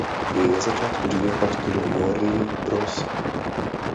Na začátku října pak studio Warner Bros.